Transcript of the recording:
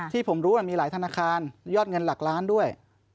ที่ผมรู้มันมีหลายธนาคารยอดเงินหลักล้านด้วย